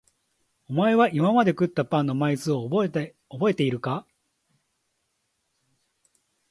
お前は今まで食ったパンの枚数を覚えているのか？